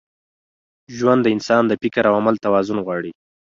ژوند د انسان د فکر او عمل توازن غواړي.